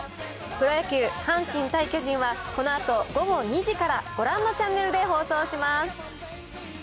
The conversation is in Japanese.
プロ野球、阪神対巨人は、このあと午後２時から、ご覧のチャンネルで放送します。